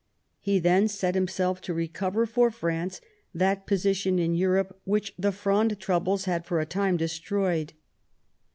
He then set him self to recover for France that position in Europe which the Fronde troubles had for a time destroyed.